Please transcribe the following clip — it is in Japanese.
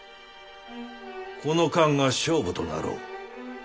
この間が勝負となろう。